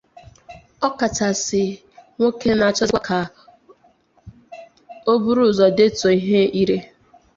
ọ kachasị nke nwoke na-achọzịkwa ka o buru ụzọ detụ ihe ire